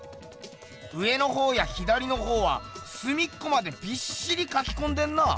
上のほうや左のほうはすみっこまでびっしりかきこんでんな。